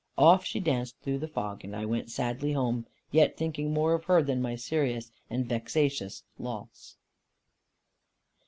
Off she danced through the fog; and I went sadly home, yet thinking more of her, than of my serious and vexatious loss.